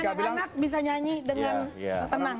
jadi anak anak bisa nyanyi dengan tenang